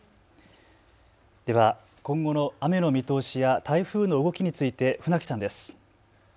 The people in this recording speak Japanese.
では今後の雨の見通しや台風の動きについて船木さんです。